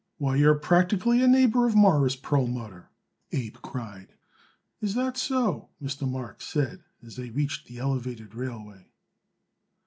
"Why, you are practically a neighbor of Mawruss Perlmutter," Abe cried. "Is that so?" Mr. Marks said, as they reached the elevated railway.